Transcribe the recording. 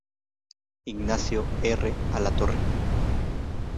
Ignacio R. Alatorre.